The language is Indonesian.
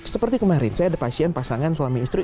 seperti kemarin saya ada pasien pasangan suami istri